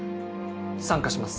参加します。